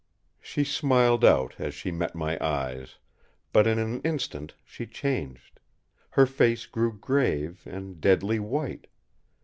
She smiled out as she met my eyes: but in an instant she changed. Her face grew grave, and deadly white.